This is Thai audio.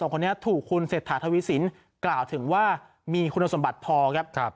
คนนี้ถูกคุณเศรษฐาทวีสินกล่าวถึงว่ามีคุณสมบัติพอครับ